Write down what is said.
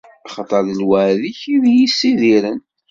Axaṭer d lweɛd-ik i y-issidiren.